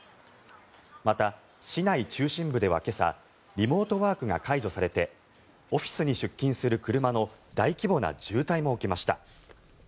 また、市内中心部では今朝リモートワークが解除されてオフィスに出勤する車の大規模な渋滞も起きました。